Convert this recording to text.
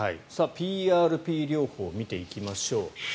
ＰＲＰ療法見ていきましょう。